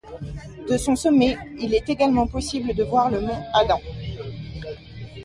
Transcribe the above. De son sommet, il est également possible de voir le mont Adams.